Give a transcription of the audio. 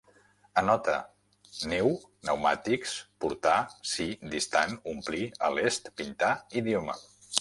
Anota: neu, pneumàtics, portar, si, distant, omplir, a l’est, pintar, idioma